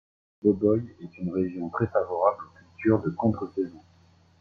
Le Boboye est une région très favorable aux cultures de contre saison.